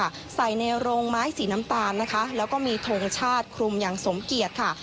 ใส่ในโรงไม้สีน้ำตาลนะคะแล้วก็มีทงชาติคลุมอย่างสมเกียจค่ะ